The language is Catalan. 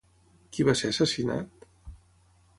Qui va ser assassinat?